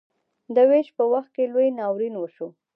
د ویش په وخت کې لوی ناورین وشو.